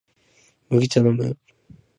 麦茶のむ？